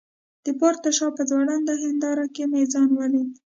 د بار تر شاته په ځوړند هنداره کي مې خپل ځان ولید.